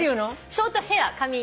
ショートヘア。